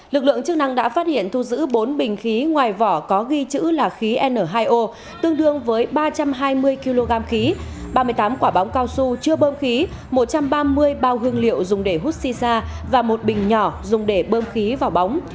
lực lượng chức năng đã phát hiện thu giữ bốn bình khí ngoài vỏ có ghi chữ là khí n hai o tương đương với ba trăm hai mươi kg khí ba mươi tám quả bóng cao su chưa bơm khí một trăm ba mươi bao hương liệu dùng để hút siza và một bình nhỏ dùng để bơm khí vào bóng